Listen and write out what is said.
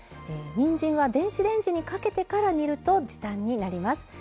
にんじんは電子レンジにかけてから煮ると時短になります。